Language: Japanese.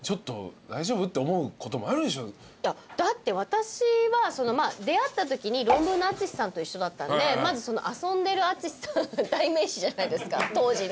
だって私はまあ出会ったときにロンブーの淳さんと一緒だったんでまず遊んでる淳さん代名詞じゃないですか当時の。